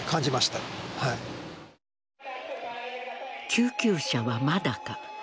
救急車はまだか。